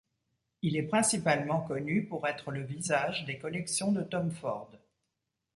Il est principalement connu pour être le visage des collections de Tom Ford.